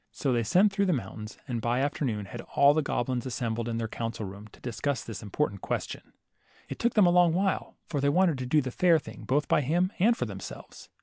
So they sent through the mountain, and by afternoon had all the goblins assembled in their 40 LITTLE HANS. council room, to discuss this important question. It took them a long while, for they wanted to do the fair thing both by him and for themselves.